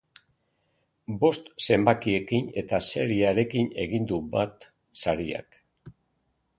Bost zenbakiekin eta seriearekin egin du bat sariak.